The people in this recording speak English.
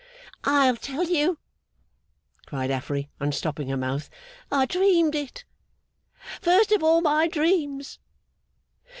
'I'll tell you!' cried Affery, unstopping her mouth. 'I dreamed it, first of all my dreams.